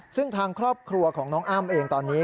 ซึ่งทางครอบครัวของน้องอ้ำเองตอนนี้